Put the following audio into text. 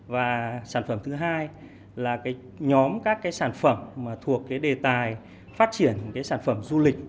và sản phẩm thứ hai là nhóm các sản phẩm thuộc đề tài phát triển sản phẩm du lịch